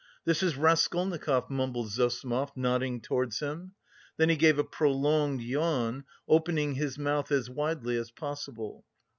"This is Raskolnikov," mumbled Zossimov, nodding towards him. Then he gave a prolonged yawn, opening his mouth as wide as possible.